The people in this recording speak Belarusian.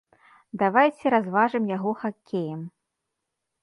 Давайце разважым яго хакеем!